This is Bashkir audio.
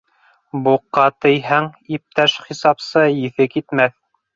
Буҡҡа тейһәң, иптәш хисапсы, еҫе китмәҫ!